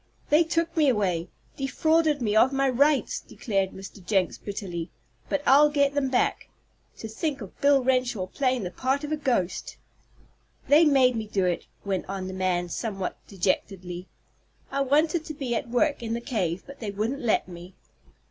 "They took me away defrauded me of my rights!" declared Mr. Jenks, bitterly. "But I'll get them back! To think of Bill Renshaw playing the part of a ghost!" "They made me do it," went on the man, somewhat dejectedly. "I wanted to be at work in the cave, but they wouldn't let me."